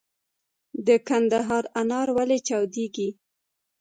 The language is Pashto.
د کندهار انار ولې چاودیږي؟